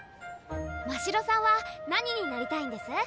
ましろさんは何になりたいんです？